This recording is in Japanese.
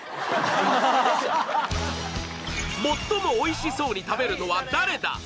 最もおいしそうに食べるのは誰だ？